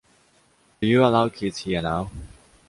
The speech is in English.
Do you allow kids here now?